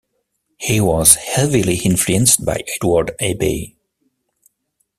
He was heavily influenced by Edward Abbey.